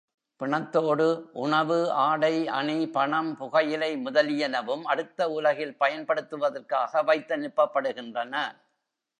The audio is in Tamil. பிணத்தோடு உணவு, ஆடை, அணி, பணம், புகையிலை முதலியனவும் அடுத்த உலகில் பயன்படுத்துவதற்காக வைத்தனுப்பப்படுகின்றன.